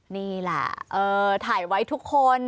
นี่แหละถ่ายไว้ทุกคน